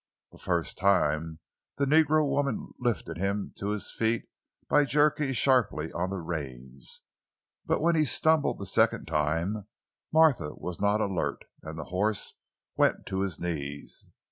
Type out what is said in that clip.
The first time the negro woman lifted him to his feet by jerking sharply on the reins, but when he stumbled the second time, Martha was not alert and the horse went to his knees.